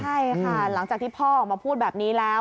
ใช่ค่ะหลังจากที่พ่อออกมาพูดแบบนี้แล้ว